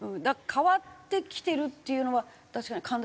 変わってきてるっていうのは確かに。